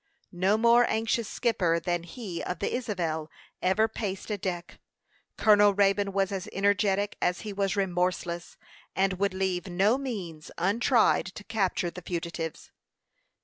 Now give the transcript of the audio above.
No more anxious skipper than he of the Isabel ever paced a deck. Colonel Raybone was as energetic as he was remorseless, and would leave no means untried to capture the fugitives.